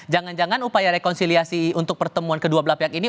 jangan jangan upaya rekonsiliasi untuk pertemuan kedua belah pihak ini